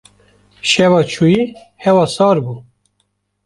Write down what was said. Şeva çûyî hewa sar bû.